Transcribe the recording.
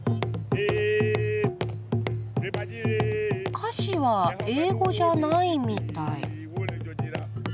歌詞は英語じゃないみたい。